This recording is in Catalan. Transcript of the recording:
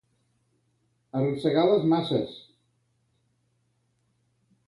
Arrossegar les masses.